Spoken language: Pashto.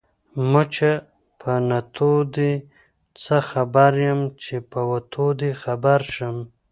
ـ مچه په نتو دې څه خبر يم ،چې په وتو دې خبر شم.